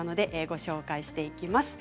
ご紹介していきます。